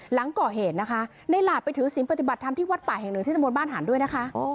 หลังก่อเหตุนะคะในหลาดไปถือศีลปฏิบัติธรรมที่วัดป่าแห่งหนึ่งที่ตะบนบ้านหันด้วยนะคะ